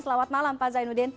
selamat malam pak zainuddin